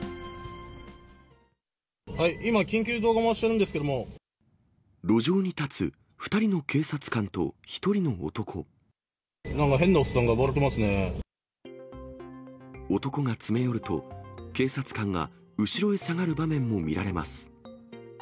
今、路上に立つ２人の警察官と１なんか変なおっさんが暴れて男が詰め寄ると、警察官が後ろへ下がる場面も見られます。